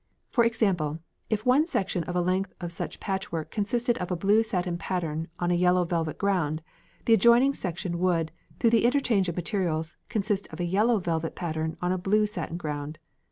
For example, if one section of a length of such patchwork consisted of a blue satin pattern on a yellow velvet ground, the adjoining section would, through the interchange of materials, consist of a yellow velvet pattern on a blue satin ground.